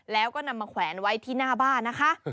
แล้วก็นำมาแขวนไว้ที่หน้าบ้านนะคะ